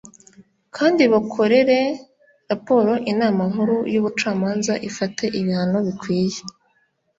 kandi bakorere Raporo Inama nkuru y’ubucamanza ifate ibihano bikwiye